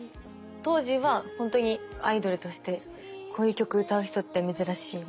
当時は本当にアイドルとしてこういう曲歌う人って珍しいみたいな。